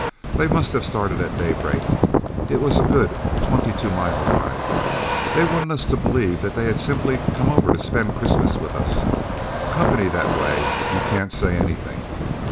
They must have started at daybreak it was a good twenty two mile ride. They wanted us to believe that they had simply come over to spend Christmas with us. Company that way, you can't say anything.